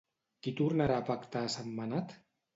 Qui tornarà a pactar a Sentmenat?